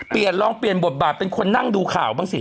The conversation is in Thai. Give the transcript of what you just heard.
เปลี่ยนลองเปลี่ยนบทบาทเป็นคนนั่งดูข่าวบ้างสิ